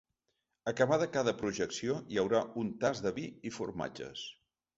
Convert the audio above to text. Acabada cada projecció hi haurà un tast de vi i formatges.